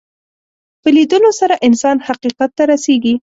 په لیدلو سره انسان حقیقت ته رسېږي